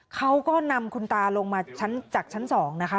เขาก็นำคุณตาลงมาจากชั้น๒นะคะ